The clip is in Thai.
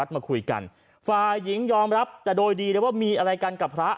มาคุยกันฝ่ายหญิงยอมรับแต่โดยดีเลยว่ามีอะไรกันกับพระ